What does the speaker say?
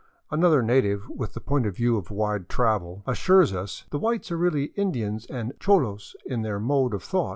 Another native, with the point of view of wide travel, assures us, " The whites are really Indians and cholos in their mode of thought.